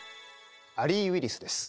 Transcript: アリー・ウィリスです。